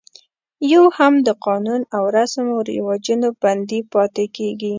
یو هم د قانون او رسم و رواجونو بندي پاتې کېږي.